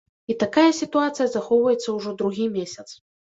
І такая сітуацыя захоўваецца ўжо другі месяц.